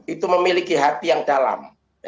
itu memiliki hati yang dalam